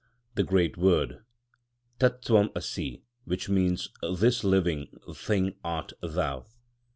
the great word: "Tat twam asi," which means, "this living thing art thou."